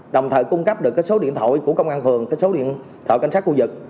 đồng thời cung cấp được số điện thoại của công an phường số điện thoại cảnh sát khu vực